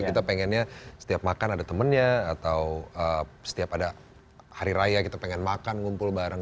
kita pengennya setiap makan ada temennya atau setiap ada hari raya kita pengen makan ngumpul bareng